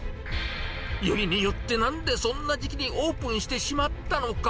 よりによって、なんでそんな時期にオープンしてしまったのか。